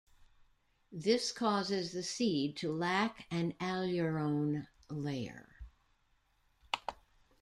This causes the seed to lack an aleurone layer.